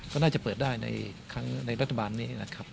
ก็น่าจะเปิดได้ในรัฐบาลนี้นะครับ